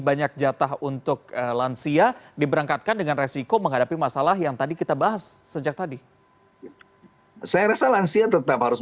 saya rasa lansia tetap harus